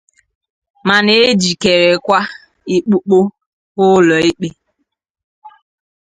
ma na-ejikerekwa ịkpụpụ ha ụlọ ikpe